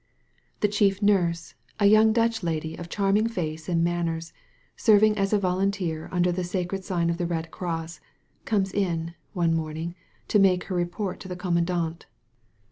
The chief nurse, a young Dutch lady of charm ing face and manners, serving as a volunteer un der the sacred sign of the Red Cross, comes in, one morning, to make her report to the conunandant.